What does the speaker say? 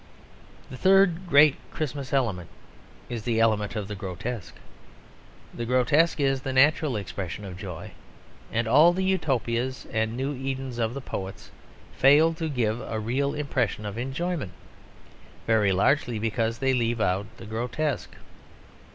The third great Christmas element is the element of the grotesque. The grotesque is the natural expression of joy; and all the Utopias and new Edens of the poets fail to give a real impression of enjoyment, very largely because they leave out the grotesque.